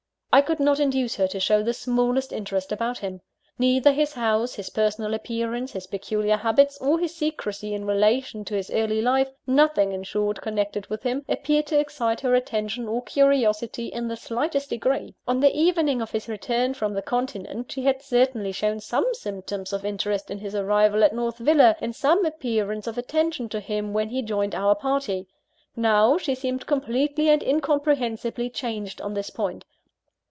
I could not induce her to show the smallest interest about him. Neither his house, his personal appearance, his peculiar habits, or his secrecy in relation to his early life nothing, in short, connected with him appeared to excite her attention or curiosity in the slightest degree. On the evening of his return from the continent, she had certainly shown some symptoms of interest in his arrival at North Villa, and some appearance of attention to him, when he joined our party. Now, she seemed completely and incomprehensibly changed on this point.